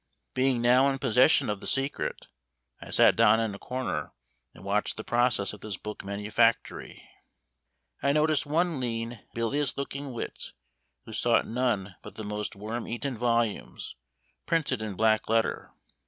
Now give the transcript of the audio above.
Being now in possession of the secret, I sat down in a corner, and watched the process of this book manufactory. I noticed one lean, bilious looking wight, who sought none but the most worm eaten volumes, printed in black letter.